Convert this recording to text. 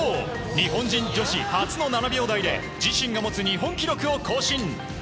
日本人女子初の７秒台で自身が持つ日本記録を更新。